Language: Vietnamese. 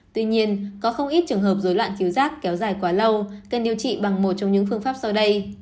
tuy nhiên có không ít trường hợp rối loạn khíu giác kéo dài quá lâu cần điều trị bằng một trong những phương pháp sau đây